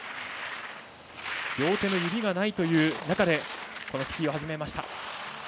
両手の指がないという中でこのスキーを始めました。